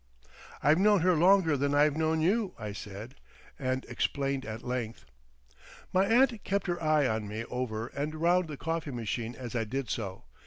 "I've known her longer than I've known you," I said, and explained at length. My aunt kept her eye on me over and round the coffee machine as I did so.